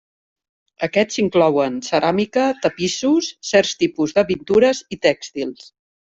Aquests inclouen ceràmica, tapissos, certs tipus de pintures i tèxtils.